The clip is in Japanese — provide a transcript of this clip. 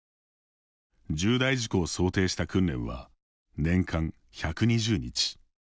重大事故を想定した訓練は年間１２０日。